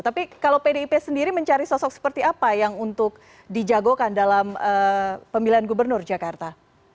tapi kalau pdip sendiri mencari sosok seperti apa yang untuk dijagokan dalam pemilihan gubernur jakarta